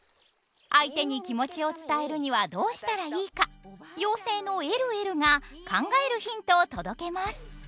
相手に気持ちを伝えるにはどうしたらいいか妖精のえるえるが考えるヒントを届けます。